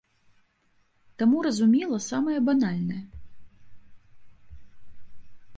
Таму разумела самае банальнае.